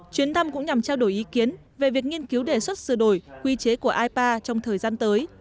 chuyến thăm cũng nhằm trao đổi ý kiến về việc nghiên cứu đề xuất sửa đổi quy chế của ipa trong thời gian tới